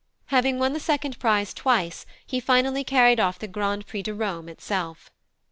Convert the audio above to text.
Having won the second prize twice, he finally carried off the Grand Prix de Rome itself.